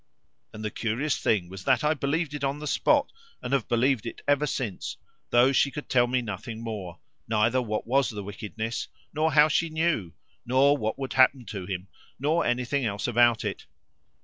And the curious thing was that I believed it on the spot and have believed it ever since, though she could tell me nothing more neither what was the wickedness, nor how she knew, nor what would happen to him, nor anything else about it.